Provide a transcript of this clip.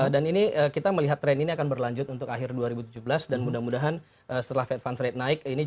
dan ini kita melihat trend ini akan berlanjut untuk akhir dua ribu tujuh belas dan mudah mudahan setelah fed funds rate naik